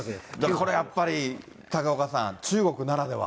これ、やっぱり、高岡さん、中国ならでは。